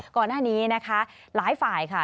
ก่อนหน้านี้นะคะหลายฝ่ายค่ะ